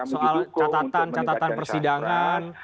soal catatan persidangan